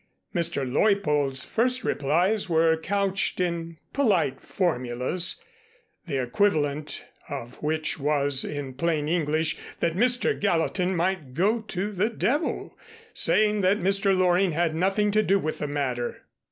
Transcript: Mr. Leuppold's first replies were couched in polite formulas, the equivalent of which was, in plain English, that Mr. Gallatin might go to the devil, saying that Mr. Loring had nothing to do with the matter.